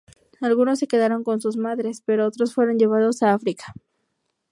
Algunos se quedaron con sus madres, pero otros fueron llevados a África.